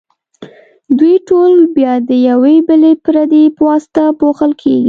دوی ټول بیا د یوې بلې پردې په واسطه پوښل کیږي.